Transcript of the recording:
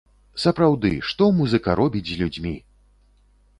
Сапраўды, што музыка робіць з людзьмі!